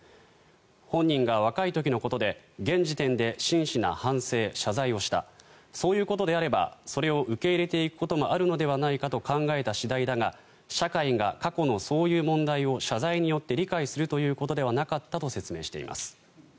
本人が若い時のことで現時点で真摯な反省、謝罪をしたそういうことであればそれを受け入れていくこともあるのではと考えた次第だが社会が過去のそういう問題を謝罪によって理解するということではなかったと説明しています。